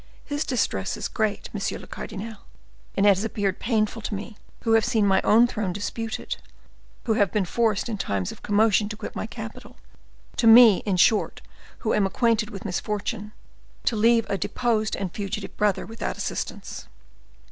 His distress is great, monsieur le cardinal, and it has appeared painful to me, who have seen my own throne disputed, who have been forced in times of commotion to quit my capital,—to me, in short, who am acquainted with misfortune,—to leave a deposed and fugitive brother without assistance."